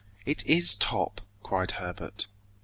"It is Top!" cried Herbert.